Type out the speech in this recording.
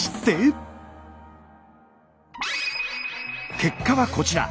結果はこちら。